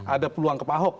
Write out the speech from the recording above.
ada peluang ke pak ahok